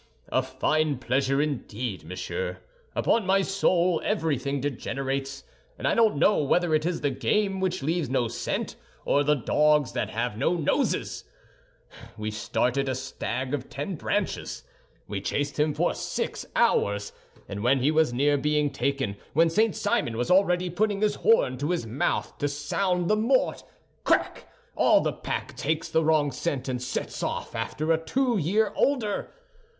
"A fine pleasure, indeed, monsieur! Upon my soul, everything degenerates; and I don't know whether it is the game which leaves no scent, or the dogs that have no noses. We started a stag of ten branches. We chased him for six hours, and when he was near being taken—when St. Simon was already putting his horn to his mouth to sound the halali—crack, all the pack takes the wrong scent and sets off after a two year older.